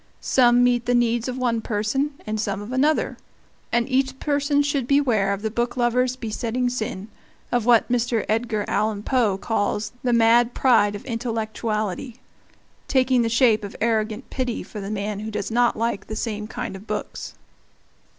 Some meet the needs of one person, and some of another; and each person should beware of the booklover's besetting sin, of what Mr. Edgar Allan Poe calls "the mad pride of intellectuality," taking the shape of arrogant pity for the man who does not like the same kind of books.